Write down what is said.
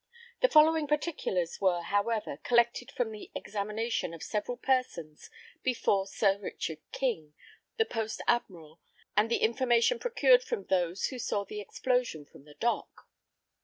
The following particulars were, however, collected from the examination of several persons before Sir Richard King, the port admiral, and the information procured from those, who saw the explosion from the Dock.